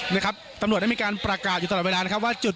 นะครับตำรวจได้มีการประกาศอยู่ตลอดเวลานะครับว่าจุด